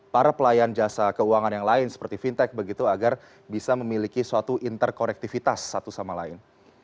para pelayan jasa keuangan yang lain seperti fintech begitu agar bisa memiliki suatu interkonektivitas satu sama lain